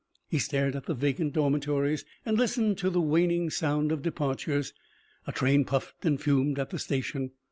He stared at the vacant dormitories and listened to the waning sound of departures. A train puffed and fumed at the station.